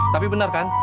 tapi bener kan